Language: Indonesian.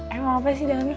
emang apa sih dalamnya